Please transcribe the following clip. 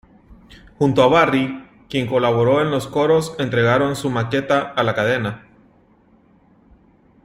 Junto a Barri, quien colaboró en los coros entregaron su maqueta a la cadena.